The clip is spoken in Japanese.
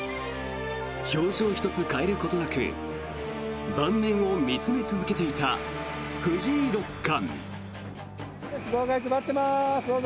表情一つ変えることなく盤面を見つめ続けていた藤井六冠。